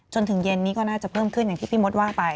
จนถึงเย็นนี้ก็น่าจะเพิ่มขึ้นอย่างที่พี่มดว่าไป